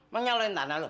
menyalurin tanah lo